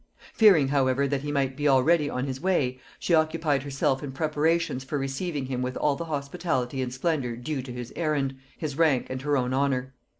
Fearing however that he might be already on his way, she occupied herself in preparations for receiving him with all the hospitality and splendor due to his errand, his rank and her own honor.